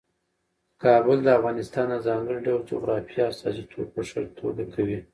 کابل د افغانستان د ځانګړي ډول جغرافیې استازیتوب په ښه توګه کوي.